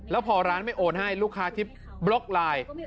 แล้วพอร้านไม่โอนให้ลูกค้าที่บล็อกไลน์